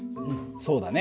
そうだね。